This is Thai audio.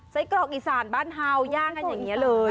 กรอกอีสานบ้านฮาวย่างกันอย่างนี้เลย